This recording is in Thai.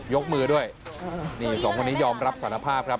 ยกมือด้วยนี่สองคนนี้ยอมรับสารภาพครับ